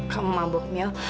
kamu mabuk mil